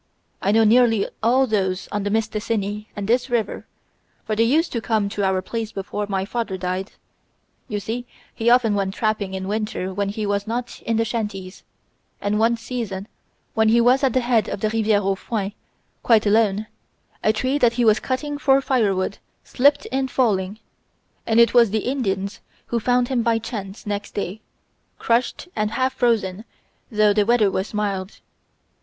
I know nearly all those on the Mistassini and this river, for they used to come to our place before my father died. You see he often went trapping in winter when he was not in the shanties, and one season when he was at the head of the Riviere aux Foins, quite alone, a tree that he was cutting for firewood slipped in falling, and it was the Indians who found him by chance next day, crushed and half frozen though the weather was mild.